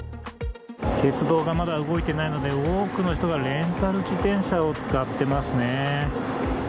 鉄道がまだ動いていないので、多くの人がレンタル自転車を使ってますね。